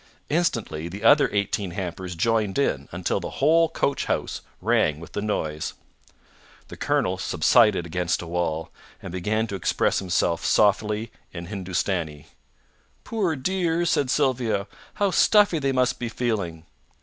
Instantly the other eighteen hampers joined in, until the whole coachhouse rang with the noise. The colonel subsided against a wall, and began to express himself softly in Hindustani. "Poor dears!" said Sylvia. "How stuffy they must be feeling!"